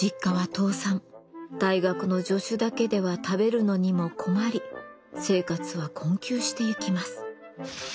大学の助手だけでは食べるのにも困り生活は困窮してゆきます。